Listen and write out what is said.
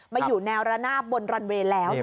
อยู่แนวระนาบบนรันเวย์แล้ว